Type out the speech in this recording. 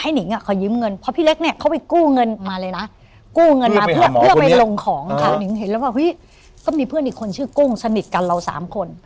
หนึ่งชื่อกุ้งสนิทกันเรา๓คน